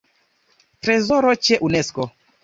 Trezoro ĉe Unesko.